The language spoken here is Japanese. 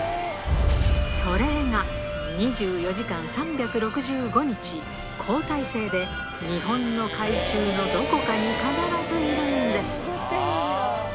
それが２４時間３６５日、交代制で日本の海中のどこかに必ずいるんです。